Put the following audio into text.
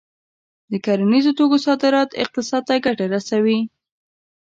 د کرنیزو توکو صادرات اقتصاد ته ګټه رسوي.